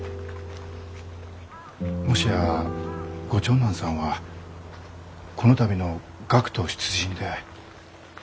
もしやご長男さんはこの度の学徒出陣で？